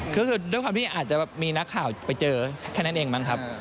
ก็คือด้วยความที่อาจจะมีนักข่าวไปเจอแค่นั้นเองมั้งครับ